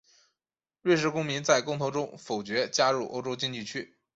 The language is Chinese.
瑞士公民在公投中否决加入欧洲经济区。